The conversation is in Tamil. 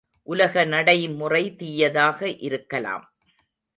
உலக நடைமுறை தீயதாக இருக்கலாம்.